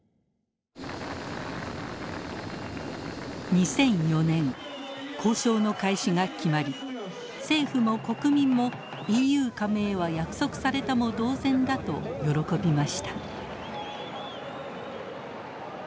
２００４年交渉の開始が決まり政府も国民もＥＵ加盟は約束されたも同然だと喜びました。